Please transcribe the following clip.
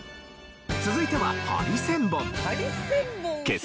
続いてはハリセンボン。